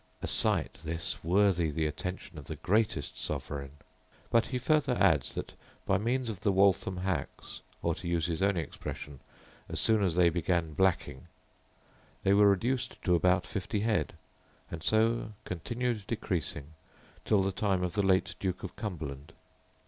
A sight this, worthy the attention of the greatest sovereign! But he further adds that, by means of the Waltham blacks, or, to use his own expression, as soon as they began blacking, they were reduced to about fifty head, and so continued decreasing till the time of the late Duke of Cumberland.